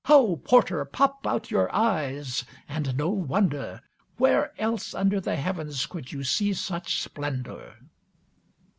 Ho, Porter, pop out your eyes, and no wonder. Where else under the Heavens could you see such splendour!